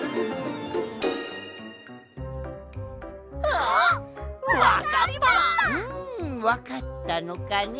うんわかったのかね？